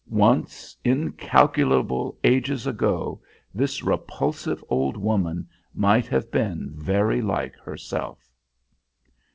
Once, incalculable ages ago, this repulsive old woman might have been very like herself.